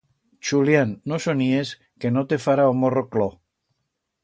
Chulián, no soníes, que no te fará o morro cloc!